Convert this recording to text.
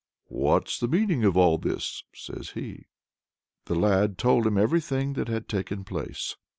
"What's the meaning of all this?" says he. The lad told him everything that had taken place.